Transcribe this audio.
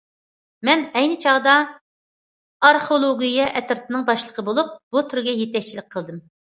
مەن ئەينى چاغدا ئارخېئولوگىيە ئەترىتىنىڭ باشلىقى بولۇپ بۇ تۈرگە يېتەكچىلىك قىلدىم.